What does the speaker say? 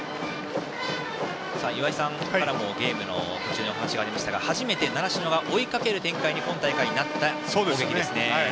岩井さんからもゲームの途中で話がありましたが初めて習志野が追いかける展開に今大会、なった攻撃です。